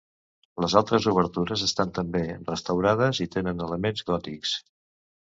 Les altres obertures estan també restaurades i tenen elements gòtics.